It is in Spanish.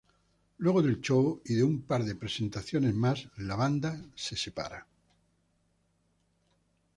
Luego del show y de un par de presentaciones más, la banda se separa.